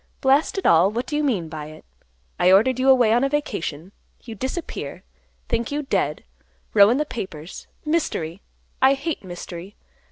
Blast it all; what do you mean by it? I ordered you away on a vacation. You disappear. Think you dead; row in the papers, mystery; I hate mystery.